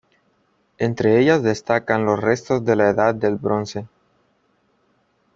Entre ellas destacan los restos de la Edad del Bronce.